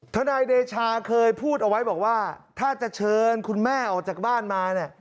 ทนายเดชาเคยพูดเอาไว้บอกว่าถ้าจะเชิญคุณแม่ออกจากบ้านมาเนี่ย